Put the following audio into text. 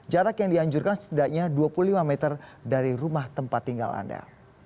jarak yang dianjurkan setidaknya dua puluh lima meter dari rumah tempat tinggal anda